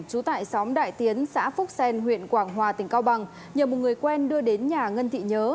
trú tại xóm đại tiến xã phúc sen huyện quảng hòa tỉnh cao bằng nhờ một người quen đưa đến nhà ngân thị nhớ